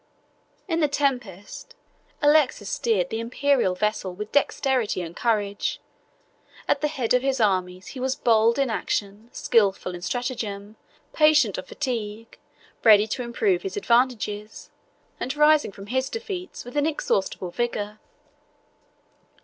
In the tempest, Alexius steered the Imperial vessel with dexterity and courage. At the head of his armies, he was bold in action, skilful in stratagem, patient of fatigue, ready to improve his advantages, and rising from his defeats with inexhaustible vigor.